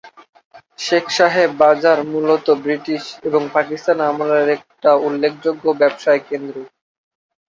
শেখ সাহেব বাজার মূলত ব্রিটিশ এবং পাকিস্তান আমলের একটা উল্লেখযোগ্য ব্যবসায়কেন্দ্র।